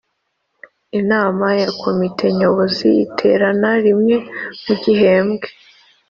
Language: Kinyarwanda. Inama ya Komite Nyobozi iterana rimwe mu gihembwe